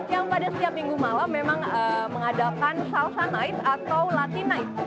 yang pada setiap minggu malam memang mengadakan salsa night atau lati night